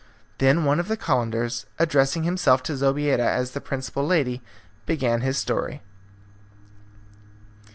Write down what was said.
Then one of the Calenders, addressing himself to Zobeida as the principal lady, began his story.